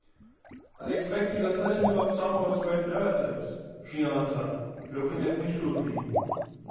"I expect he got tellin' of you some o' his great narratives," she answered, looking at me shrewdly.